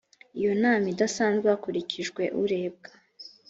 iyo nama idasanzwe hakurikijwe urebwa